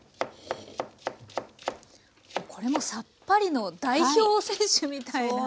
これもさっぱりの代表選手みたいな。